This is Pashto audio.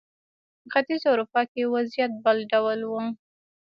په ختیځه اروپا کې وضعیت بل ډول و.